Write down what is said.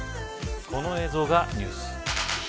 この映像がニュース。